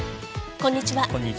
こんにちは。